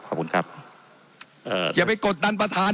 ขอบคุณครับอย่าไปกดดันประธาน